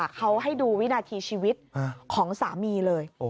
เขาให้ดูวินาทีชีวิตของสามีเลย